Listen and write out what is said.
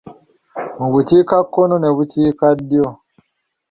Mu bukika kono ne bukiika ddyo.